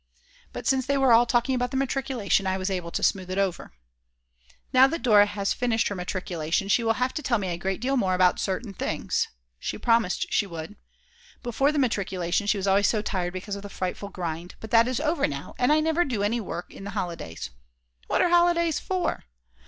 But since they were all talking about the matriculation I was able to smooth it over. Now that Dora has finished her matriculation she will have to tell me a great deal more about certain things; she promised she would. Before the matriculation she was always so tired because of the frightful grind, but that is over now, and I never do any work in the holidays. What are holidays for?